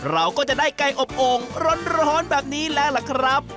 เราก็จะได้ไก่อบโอ่งร้อนแบบนี้แล้วล่ะครับ